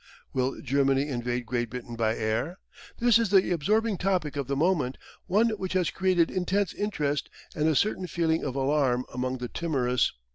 Will Germany invade Great Britain by air? This is the absorbing topic of the moment one which has created intense interest and a certain feeling of alarm among the timorous.